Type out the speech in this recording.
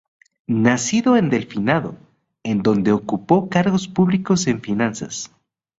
Nacido en el Delfinado, en donde ocupó cargos públicos en finanzas.